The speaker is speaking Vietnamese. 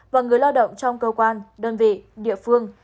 và người lao động trong cơ quan đơn vị địa phương